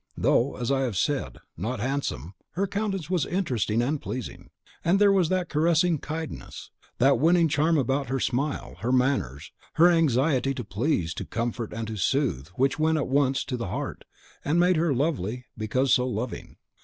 Though, as I have said, not handsome, her countenance was interesting and pleasing; and there was that caressing kindness, that winning charm about her smile, her manners, her anxiety to please, to comfort, and to soothe which went at once to the heart, and made her lovely, because so loving.